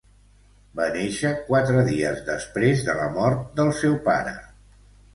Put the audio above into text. Va néixer quatre dies després de la mort del seu pare.